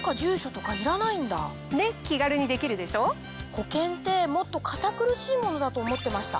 保険ってもっと堅苦しいものだと思ってました。